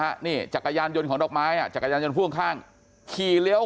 ฮะนี่จักรยานยนต์ของดอกไม้อ่ะจักรยานยนต์พ่วงข้างขี่เลี้ยว